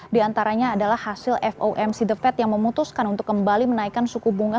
di antaranya adalah hasil fomc the fed yang memutuskan untuk kembali menaikkan suku bunga